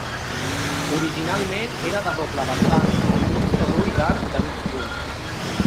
Originalment era de doble vessant i d’un sol ull d’arc de mig punt.